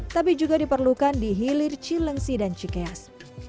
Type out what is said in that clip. tapi juga diperlukan di hilir cilengsi dan cikeas